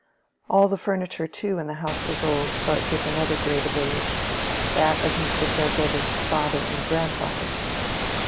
All the furniture too in the house was old, but with another grade of age—that of Mr. Farebrother's father and grandfather.